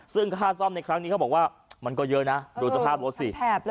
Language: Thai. ซึ่งค่าซ่อมในครั้งนี้เขาบอกว่ามันก็เยอะนะดูสภาพรถสิ